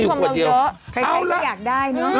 อุ๊ยขวดเดียวไม่พอนะคุณทำมาเยอะใครก็อยากได้เนอะอืมเอาล่ะ